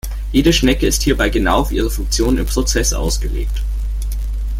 Jede Schnecke ist hierbei genau auf ihre Funktionen im Prozess ausgelegt.